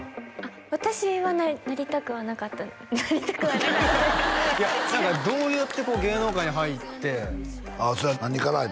私はなりたくはなかったなりたくはなかったというかどうやって芸能界に入ってそうや何から入ったん？